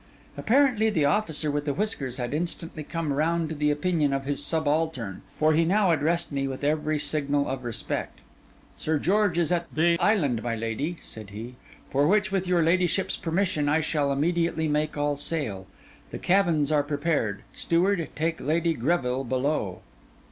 Apparently the officer with the whiskers had instantly come round to the opinion of his subaltern; for he now addressed me with every signal of respect. 'Sir George is at the island, my lady,' said he: 'for which, with your ladyship's permission, I shall immediately make all sail. The cabins are prepared. Steward, take Lady Greville below.